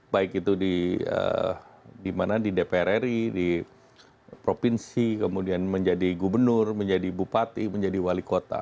baik itu di dpr ri di provinsi kemudian menjadi gubernur menjadi bupati menjadi wali kota